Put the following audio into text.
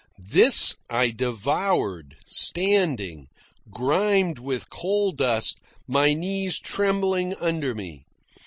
This I devoured, standing, grimed with coal dust, my knees trembling under me.